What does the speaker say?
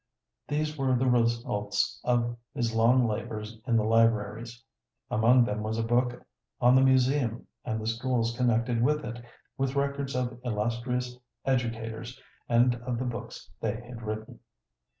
These were the results of his long labors in the libraries. Among them was a book on the Museum and the schools connected with it, with records of illustrious educators and of the books they had written.